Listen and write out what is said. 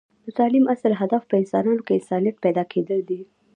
د تعلیم اصل هدف په انسان کې انسانیت پیدا کیدل دی